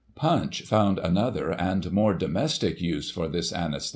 Tunch found another and more domestic use for this anaesthetic.